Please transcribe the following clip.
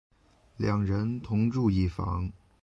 两人同住一房。